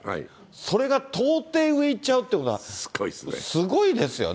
それが到底上いっちゃうってことは、すごいですよね。